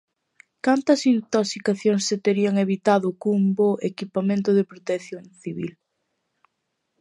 ¿Cantas intoxicacións se terían evitado cun bo equipamento de protección civil?